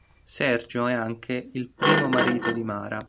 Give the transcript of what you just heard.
Sergio è anche il primo marito di Mara.